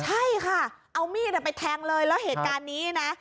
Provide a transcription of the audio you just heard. ใช่ค่ะเอามีดไปแทงเลยแล้วเหตุการณ์นี้นะ